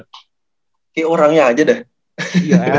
kayak orangnya aja deh